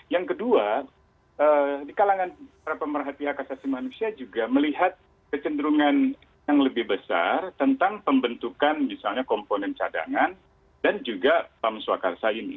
yang kedua di kalangan para pemerhati hak asasi manusia juga melihat kecenderungan yang lebih besar tentang pembentukan misalnya komponen cadangan dan juga pam swakarsa ini